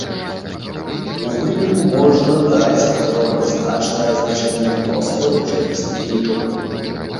У выніку, можна даць раўназначнае азначэнне мноства рэчаісных лікаў.